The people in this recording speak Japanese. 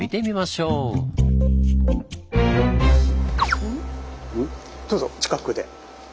どうぞ近くで。